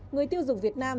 người tiêu dùng việt nam